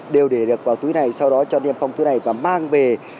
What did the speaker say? đều để được vào túi này sau đó cho điểm phòng thứ này và mang về